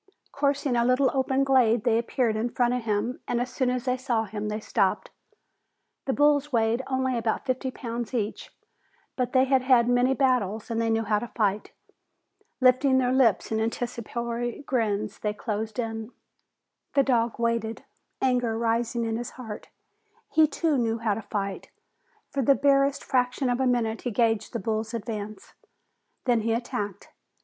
Coursing a little open glade, they appeared in front of him and as soon as they saw him they stopped. The bulls weighed only about fifty pounds each, but they had had many battles and they knew how to fight. Lifting their lips in anticipatory grins, they closed in. The dog waited, anger rising in his heart. He too knew how to fight. For the barest fraction of a minute he gauged the bulls' advance, then he attacked.